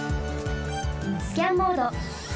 スキャンモード